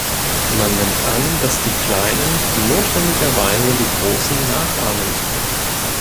Man nimmt an, dass die Kleinen notwendigerweise die Großen nachahmen.